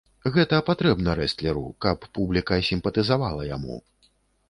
Гэта патрэбна рэстлеру, каб публіка сімпатызавала яму.